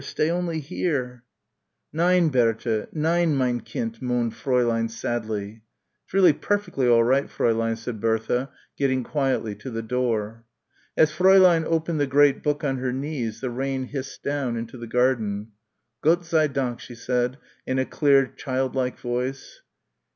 Stay only here!" "Nein, Bertha, nein, mein kind," moaned Fräulein sadly. "It's really perfectly all right, Fräulein," said Bertha, getting quietly to the door. As Fräulein opened the great book on her knees the rain hissed down into the garden. "Gott sei Dank," she said, in a clear child like voice.